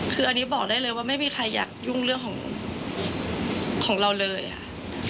คืออันนี้บอกได้เลยว่าไม่มีใครอยากยุ่งเรื่องของของเราเลยค่ะ